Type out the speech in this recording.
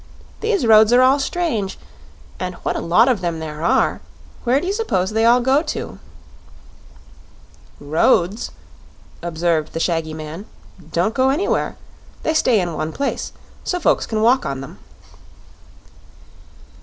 These roads are all strange and what a lot of them there are! Where do you suppose they all go to?" "Roads," observed the shaggy man, "don't go anywhere. They stay in one place, so folks can walk on them."